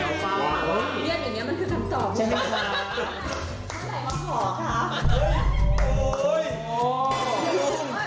เงียบอย่างนี้มันคือคำตอบแล้วป่ะ